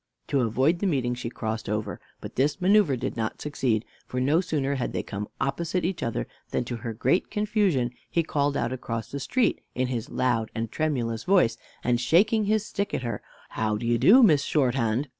To avoid the meeting she crossed over. But this maneuver did not succeed; for no sooner had they come opposite to each other, than, to her great confusion, he called out across the street, in his loud and tremulous voice, and shaking his stick at her, "How d'ye do, Miss Shorthand?